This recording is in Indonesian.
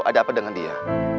ada apa dengan dia